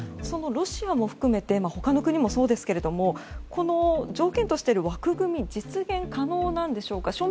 そのロシアも含めて他の国もそうですけれども条件としている枠組み実現可能なんでしょうか。